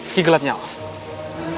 ki gelapnya pak